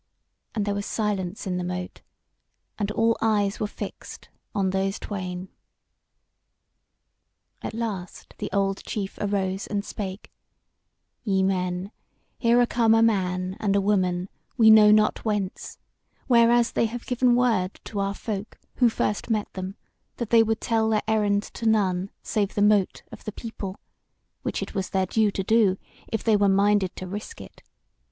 And there was silence in the Mote, and all eyes were fixed on those twain. At last the old chief arose and spake: "Ye men, here are come a man and a woman, we know not whence; whereas they have given word to our folk who first met them, that they would tell their errand to none save the Mote of the People; which it was their due to do, if they were minded to risk it.